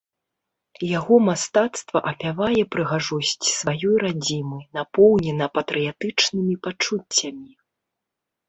Яго мастацтва апявае прыгажосць сваёй радзімы, напоўнена патрыятычнымі пачуццямі.